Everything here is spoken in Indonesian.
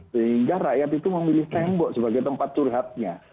sehingga rakyat itu memilih tembok sebagai tempat curhatnya